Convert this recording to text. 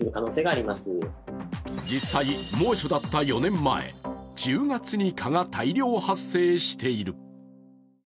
実際、猛暑だった４年前、１０月に蚊が大量発生している。